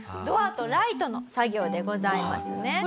ドアとライトの作業でございますね。